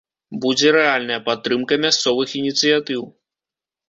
Будзе рэальная падтрымка мясцовых ініцыятыў.